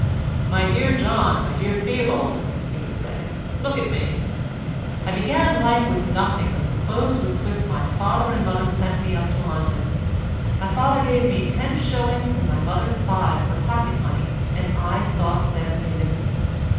"My dear John, my dear Theobald," he would say, "look at me. I began life with nothing but the clothes with which my father and mother sent me up to London. My father gave me ten shillings and my mother five for pocket money and I thought them munificent.